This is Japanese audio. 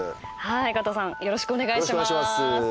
加藤さんよろしくお願いします。